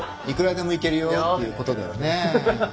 いくらでもいけるよっていうことだよね。